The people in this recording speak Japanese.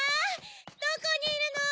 どこにいるの？